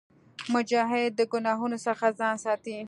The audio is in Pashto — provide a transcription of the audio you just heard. مجاهد د ګناهونو څخه ځان ساتي.